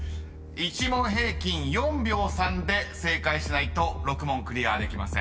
１問平均４秒３で正解しないと６問クリアできません］